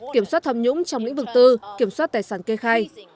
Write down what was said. kiểm soát tham nhũng trong lĩnh vực tư kiểm soát tài sản kê khai